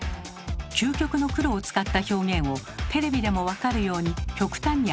「究極の黒」を使った表現をテレビでも分かるように極端に表してみます。